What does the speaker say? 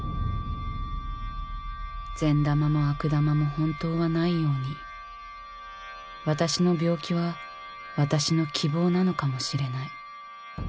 善玉も悪玉も本当はないように私の病気は私の希望なのかもしれない。